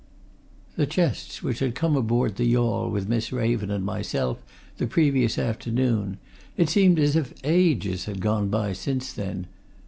The chests which had come aboard the yawl with Miss Raven and myself the previous afternoon it seemed as if ages had gone by since then!